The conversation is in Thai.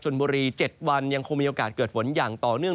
บุรี๗วันยังคงมีโอกาสเกิดฝนอย่างต่อเนื่อง